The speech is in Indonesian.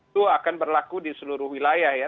itu akan berlaku di seluruh wilayah ya